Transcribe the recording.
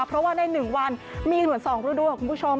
เพราะว่าในหนึ่งวันมีหลวนสองรูดว่าคุณผู้ชม